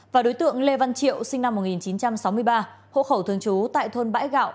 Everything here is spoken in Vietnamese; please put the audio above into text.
và đối tượng lê văn triệu sinh năm một nghìn chín trăm sáu mươi ba hộ khẩu thường trú tại thôn bãi gạo